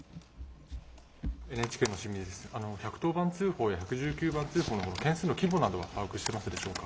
１１０番通報や１１９番通報の件数の規模などは把握してます